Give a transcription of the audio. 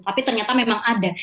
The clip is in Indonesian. tapi ternyata memang ada